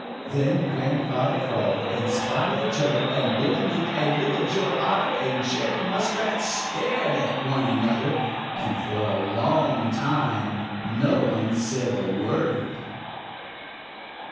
Then Grandfather Frog and Spotty the Turtle and Billy Mink and Little Joe Otter and Jerry Muskrat stared at one mother, and for a long time no one said a word.